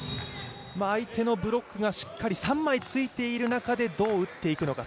相手のブロックがしっかり三枚ついている中でどう打っていくのか。